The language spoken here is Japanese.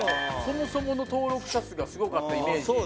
そもそもの登録者数がすごかったイメージ。